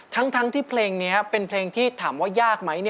ทั้งที่เพลงนี้เป็นเพลงที่ถามว่ายากไหม